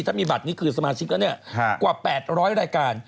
ถ้ามีบัตรนี้คือสมาชิกแล้วกว่า๘๐๐รายการ